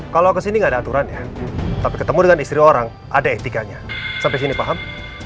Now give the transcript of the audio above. kalau kesini gak ada aturannya tapi ketemu dengan istri orang ada etikanya sampai sini paham